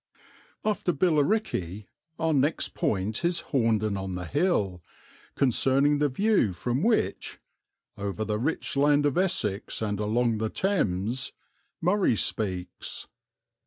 After Billericay our next point is Horndon on the Hill, concerning the view from which "over the rich land of Essex and along the Thames" "Murray" speaks.